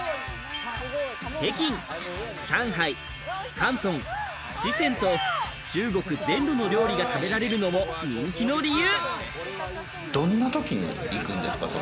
北京、上海、広東、四川と中国全土の料理が食べられるのも人気の理由。